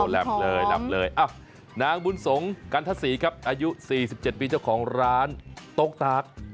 พับทอดนะหอมน้างบุญสงศ์กัณฑษีครับอายุ๔๗ปีเจ้าของร้านโต๊กตาก